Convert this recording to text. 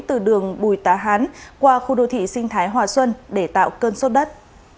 từ đường bùi tá hán qua khu đô thị sinh thái hòa xuân để tạo cơn sốt đất